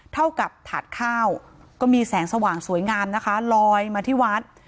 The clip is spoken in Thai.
เท่ากับถาดข้าวก็มีแสงสว่างสวยงามนะคะลอยมาที่วัด